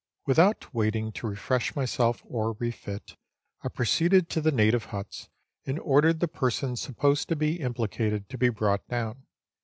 Without waiting to refresh myself or refit, I proceeded to the native huts, and ordered the persons supposed to be implicated to be brought down.